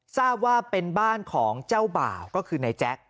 ทราบว่าเป็นบ้านของเจ้าบ่าวก็คือนายแจ๊ค